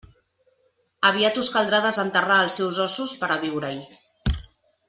Aviat us caldrà desenterrar els seus ossos per a viure-hi.